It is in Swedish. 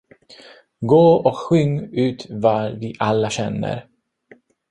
Gå och sjung ut vad vi alla känner!